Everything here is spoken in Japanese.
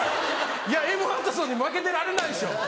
エマ・ワトソンに負けてられないでしょ！